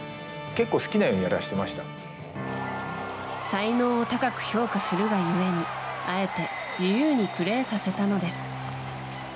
才能を高く評価するがゆえにあえて自由にプレーさせたのです。